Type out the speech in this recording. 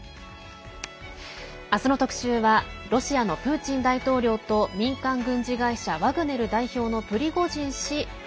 明日の特集はロシアのプーチン大統領と民間軍事会社ワグネル代表のプリゴジン氏。